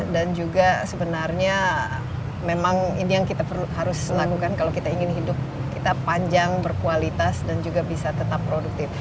dan juga sebenarnya memang ini yang kita harus lakukan kalau kita ingin hidup kita panjang berkualitas dan juga bisa tetap produktif